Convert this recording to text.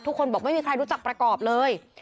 บอกไม่มีใครรู้จักประกอบเลย